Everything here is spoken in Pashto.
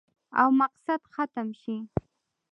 او مقصد ختم شي